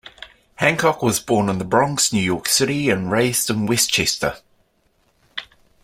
Hancock was born in the Bronx, New York City and raised in Westchester.